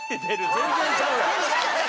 全然ちゃうやん！